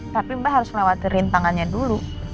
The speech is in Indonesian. tapi mbak harus melewati rintangannya dulu